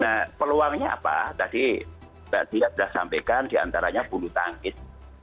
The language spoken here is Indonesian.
nah peluangnya apa tadi mbak dia sudah sampaikan diantaranya bulu tangkis